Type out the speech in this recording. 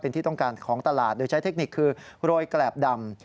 เป็นที่ต้องการของตลาดโดยใช้เทคนิคคือโรยแกรบดำ